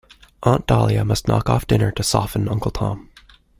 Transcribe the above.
Aunt Dahlia must knock off dinner to soften Uncle Tom.